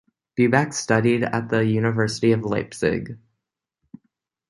Buback studied at the University of Leipzig.